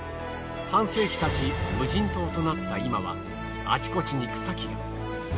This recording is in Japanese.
半世紀経ち無人島となった今はあちこちに草木が。